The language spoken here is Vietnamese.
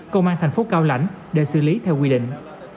công an thành phố cao lãnh để xử lý theo quy định